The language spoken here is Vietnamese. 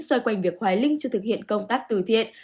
xoay quanh việc hoài linh chưa thực hiện công tác từ thiện